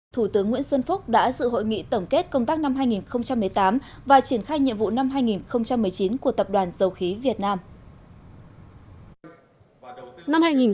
thủ tướng nguyễn xuân phúc đã dự hội nghị tổng kết công tác năm hai nghìn một mươi tám và triển khai nhiệm vụ năm hai nghìn một mươi chín của tập đoàn dầu khí việt nam